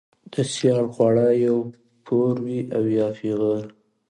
ـ د سيال خواړه يا پور وي يا پېغور.